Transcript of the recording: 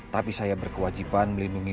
tapi saya berkewajiban melindungi